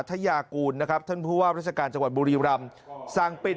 ทยากูลนะครับท่านผู้ว่าราชการจังหวัดบุรีรำสั่งปิด